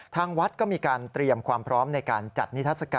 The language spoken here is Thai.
ทางวัดก็มีการเตรียมความพร้อมในการจัดนิทัศกาล